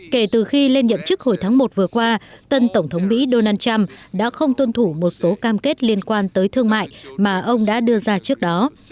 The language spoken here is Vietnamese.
kể từ khi lên nhậm chức hồi tháng một vừa qua tân tổng thống mỹ donald trump đã không tuân thủ một số cam kết liên quan tới thương mại mà ông đã đưa ra trước đó